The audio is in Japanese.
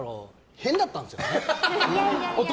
変だったんですよ。